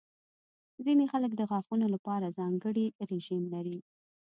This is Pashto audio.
ځینې خلک د غاښونو لپاره ځانګړې رژیم لري.